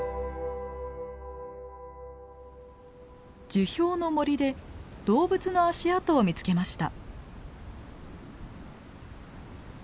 樹氷の森で動物の足跡を見つけました。